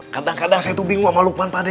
kadang kadang saya tuh bingung sama lukman pade